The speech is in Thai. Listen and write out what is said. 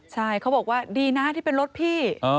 ใช่เขาบอกว่าดีนะที่เป็นรถพี่